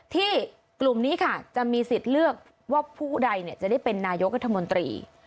กลุ่มนี้ค่ะจะมีสิทธิ์เลือกว่าผู้ใดจะได้เป็นนายกรัฐมนตรี